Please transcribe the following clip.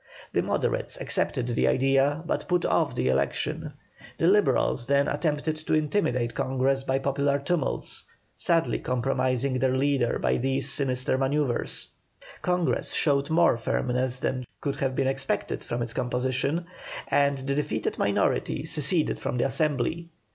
The Moderates accepted the idea but put off the election. The Liberals then attempted to intimidate Congress by popular tumults, sadly compromising their leader by these sinister manœuvres. Congress showed more firmness than could have been expected from its composition, and the defeated minority seceded from the Assembly.